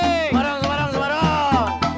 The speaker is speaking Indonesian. semarang semarang semarang